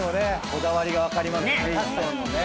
こだわりが分かりますイッソンのね。